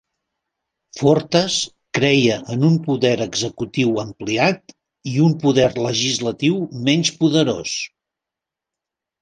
Fortas creia en un poder executiu ampliat i un poder legislatiu menys poderós.